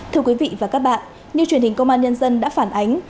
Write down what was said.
thưa quý vị và các bạn như truyền hình công an nhân dân đã phản ánh